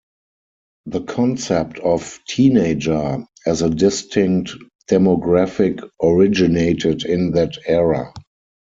The concept of "teenager" as a distinct demographic originated in that era.